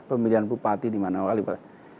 pemilihan bupati di mana mana